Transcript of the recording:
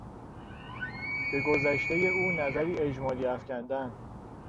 به گذشتهی او نظری اجمالی افکندن